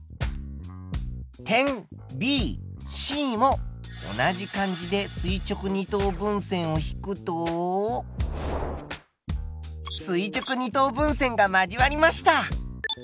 点ＢＣも同じ感じで垂直二等分線を引くと垂直二等分線が交わりました。